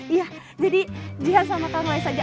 iya jadi jihan sama kang rois aja